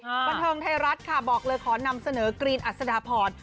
บันเทิงไทยรัฐค่ะบอกเลยขอนำเสนอกรีนอัศดาพร